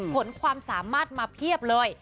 ผลความสามารถมาเพียบเลย